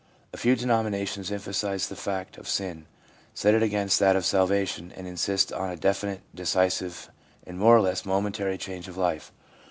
A few denominations emphasise the fact of sin, set it against that of salvation, and insist on a definite, decisive, and more or less momentary change of life.